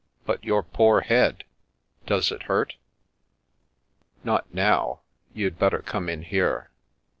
But your poor head ! Does it hurt ?" Not now. You'd better come in here."